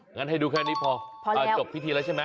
งั้นให้ดูแค่นี้พอจบพิธีแล้วใช่ไหม